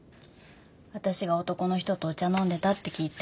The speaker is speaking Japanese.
私が男の人とお茶飲んでたって聞いて。